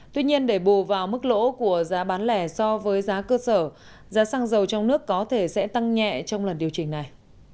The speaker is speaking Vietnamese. tuy nhiên để bù vào mức lỗ của giá bán lẻ so với giá cơ sở giá xăng dầu trong nước có thể sẽ tăng nhẹ trong lần điều chỉnh này